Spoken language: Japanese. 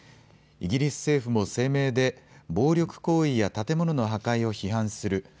イギリス政府も声明で暴力行為や建物の破壊を批判する。